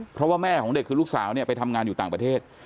เพราะว่าแม่ของเด็กคือลูกสาวเนี่ยไปทำงานอยู่ต่างประเทศ